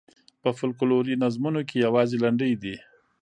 په فوکلوري نظمونو کې یوازې لنډۍ دي.